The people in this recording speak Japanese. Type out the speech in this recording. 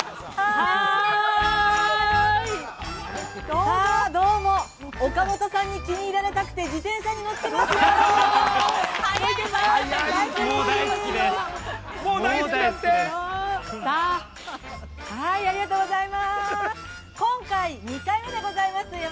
どうも、岡本さんに気に入られたくて、自転車に乗っていますよ。